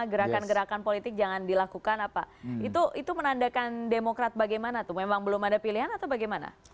jangan berpikir bahwa kegiatan politik jangan dilakukan apa itu menandakan demokrat bagaimana tuh memang belum ada pilihan atau bagaimana